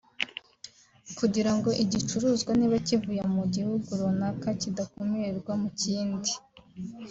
kugira ngo igicuruzwa niba kivuye mu gihugu runaka kidakumirwa mu kindi